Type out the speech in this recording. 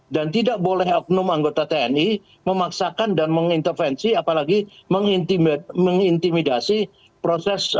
dan tidak boleh oknum anggota tni memaksakan dan mengintervensi apalagi mengintimidasi proses